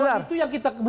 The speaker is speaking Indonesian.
itu yang kita belum ketahui